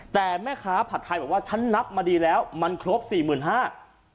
แต่แม่ค้าผัดไทยบอกว่าฉันนับมาดีแล้วมันครบสี่หมื่นห้า